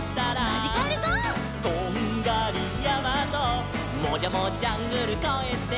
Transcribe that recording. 「トンガリやまともじゃもジャングルこえて」